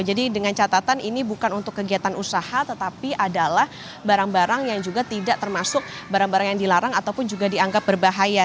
jadi dengan catatan ini bukan untuk kegiatan usaha tetapi adalah barang barang yang juga tidak termasuk barang barang yang dilarang ataupun juga dianggap berbahaya